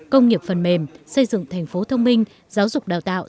công nghiệp phần mềm xây dựng thành phố thông minh giáo dục đào tạo